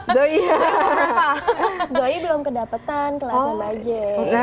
zoe belum kedapetan kelasan bajet